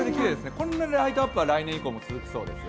このライトアップは来年以降も続くそうです。